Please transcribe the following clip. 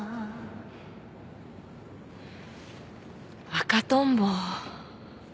『赤とんぼ』を？